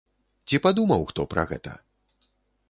Ці падумаў хто пра гэта?